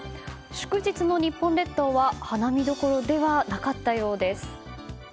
祝日の日本列島は花見どころではなかったようです。